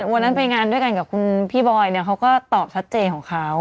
วันนั้นไปงานด้วยกันกับคุณพี่บอยเนี่ยเขาก็ตอบชัดเจนของเขา